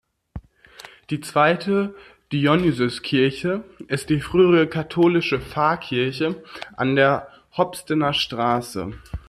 Die „zweite Dionysiuskirche“ ist die frühere katholische Pfarrkirche an der Hopstener Straße.